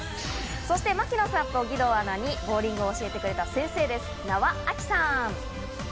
そして槙野さんと義堂アナにボウリングを教えてくれた先生です、名和秋さん。